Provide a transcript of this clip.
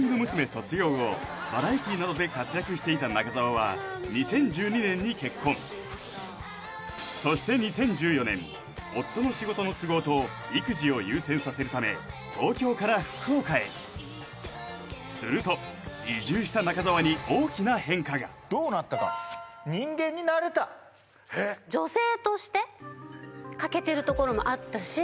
卒業後バラエティなどで活躍していた中澤は２０１２年に結婚そして２０１４年夫の仕事の都合と育児を優先させるため東京から福岡へすると移住した中澤に大きな変化がどうなったか「人間になれた」女性として欠けてるところもあったし